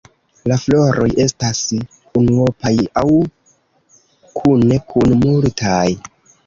La floroj estas unuopaj aŭ kune kun multaj.